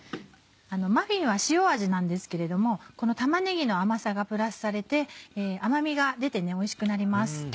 マフィンは塩味なんですけれどもこの玉ねぎの甘さがプラスされて甘みが出ておいしくなります。